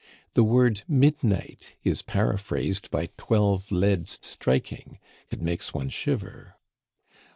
The word midnight is paraphrased by twelve leads striking it makes one shiver!